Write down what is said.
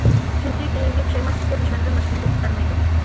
چۈنكى كېيىنكى پۇشايمان سىزگە دۈشمەندىن باشقىنى تېپىپ بەرمەيدۇ.